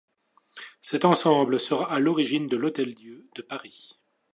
Cet ensemble sera à l'origine de l'Hôtel-Dieu de Paris.